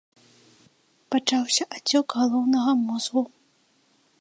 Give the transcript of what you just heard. Пачаўся ацёк галаўнога мозгу.